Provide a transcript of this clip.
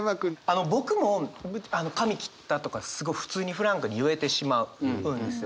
あの僕も「髪切った？」とかすごい普通にフランクに言えてしまうんですよ。